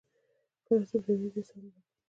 کله چې پریوځئ ساه مو بندیږي؟